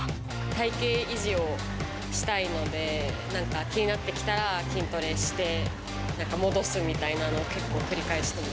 体形維持をしたいので、なんか気になってきたら筋トレして、なんか戻すみたいなのを結構、繰り返してる。